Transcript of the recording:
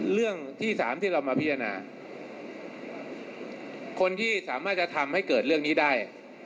เรื่องที่สามที่เรามาพิจารณาคนที่สามารถจะทำให้เกิดเรื่องนี้ได้